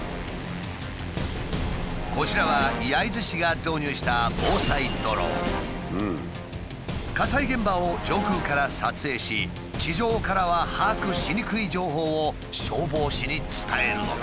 こちらは焼津市が導入した火災現場を上空から撮影し地上からは把握しにくい情報を消防士に伝えるのだ。